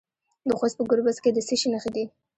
د خوست په ګربز کې د څه شي نښې دي؟